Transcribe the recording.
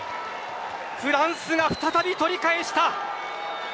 フランスが再び取り返した。